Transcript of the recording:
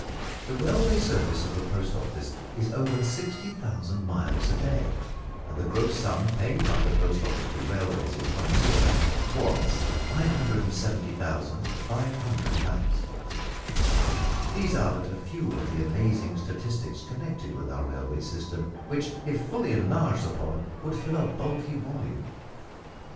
The railway service of the Post Office is over 60,000 miles a day, and the gross sum paid by the Post Office to railways in one year was 570,500 pounds. These are but a few of the amazing statistics connected with our railway system, which, if fully enlarged upon, would fill a bulky volume.